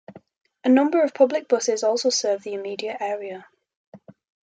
A number of public buses also serve the immediate area.